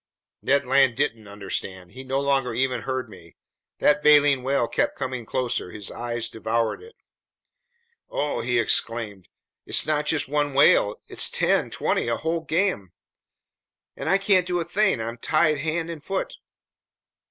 Ned Land didn't understand. He no longer even heard me. That baleen whale kept coming closer. His eyes devoured it. "Oh!" he exclaimed. "It's not just one whale, it's ten, twenty, a whole gam! And I can't do a thing! I'm tied hand and foot!"